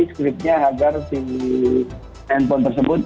sekurang kurangnya dikonsumsi ke aplikasi tersebut